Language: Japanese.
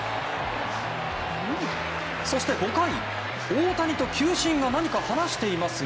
そして５回、大谷と球審が何か話していますが。